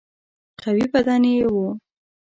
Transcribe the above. قوي بدن یې وو.